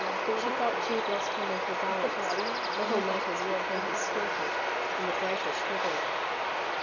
She felt she had lost her mental balance. Little matters became distorted, and the greater shrivelled.